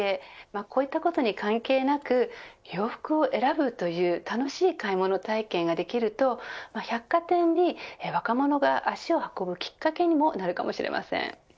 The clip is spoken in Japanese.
こういったことに関係なく洋服を選ぶという楽しい買い物体験ができると百貨店に若者が足を運ぶきっかけにもなるかもしれません。